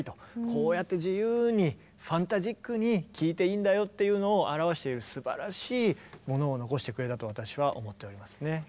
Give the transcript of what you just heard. こうやって自由にファンタジックに聴いていいんだよっていうのを表しているすばらしいものを残してくれたと私は思っておりますね。